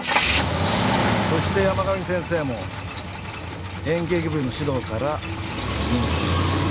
そして山上先生も演劇部の指導から身を引いた。